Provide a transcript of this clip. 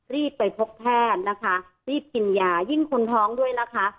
รีบไปพบแพทย์นะคะรีบกินยายิ่งคนท้องด้วยนะคะ